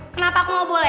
kenapa aku gak boleh